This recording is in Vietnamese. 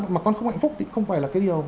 mà con không hạnh phúc thì không phải là cái điều